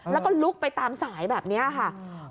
แล้วก็ลุกไปตามสายแบบนี้ค่ะ